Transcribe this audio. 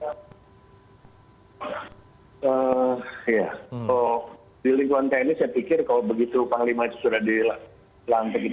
ya di lingkungan tni saya pikir kalau begitu panglima itu sudah dilantik